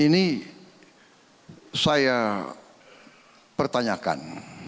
ini saya pertanyakan